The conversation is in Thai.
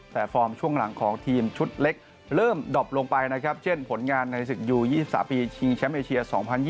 แต่ฟอร์มช่วงหลังของทีมชุดเล็กเริ่มดอบลงไปนะครับเช่นผลงานในศึกยู๒๓ปีชิงแชมป์เอเชีย๒๐๒๐